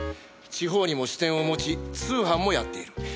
地方にも支店を持ち通販もやっている。